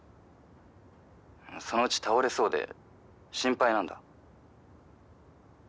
「そのうち倒れそうで心配なんだ」